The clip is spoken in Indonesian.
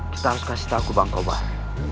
kita harus kasih tau ke bangkobar